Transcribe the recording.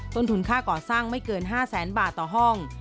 ต้นทุนค่าก่อสร้างไม่เกิน๕แสนบาทต่อห้อง